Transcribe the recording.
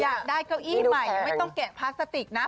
อยากได้เก้าอี้ใหม่ไม่ต้องแกะพลาสติกนะ